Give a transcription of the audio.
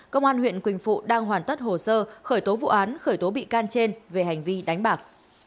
công an huyện quỳnh phụ đang hoàn tất hồ sơ khởi tố vụ án khởi tố bị can trên về hành vi đánh bạc